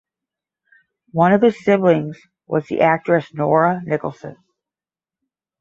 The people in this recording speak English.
One of his siblings was the actress Nora Nicholson.